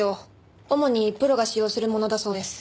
主にプロが使用するものだそうです。